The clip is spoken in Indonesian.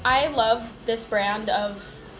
aku suka brand ini